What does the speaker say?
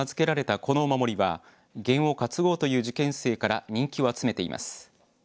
このお守りは験を担ごうという受験生から人気を集めています。